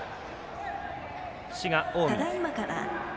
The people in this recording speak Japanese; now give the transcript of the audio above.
滋賀、近江。